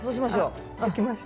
あきました。